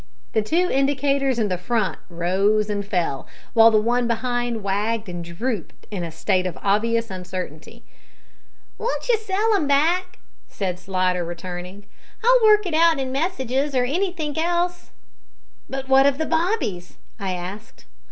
The two indicators in front rose and fell, while the one behind wagged and drooped in a state of obvious uncertainty. "Won't you sell 'im back?" said Slidder, returning. "I'll work it out in messages or anythink else." "But what of the bobbies?" I asked.